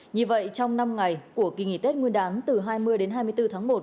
như vậy trong năm ngày của kỳ nghỉ tết nguyên đán từ hai mươi đến hai mươi bốn tháng một